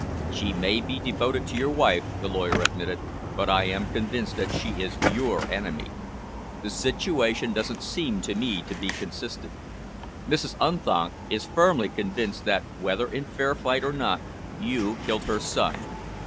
"She may be devoted to your wife," the lawyer admitted, "but I am convinced that she is your enemy. The situation doesn't seem to me to be consistent. Mrs. Unthank is firmly convinced that, whether in fair fight or not, you killed her son.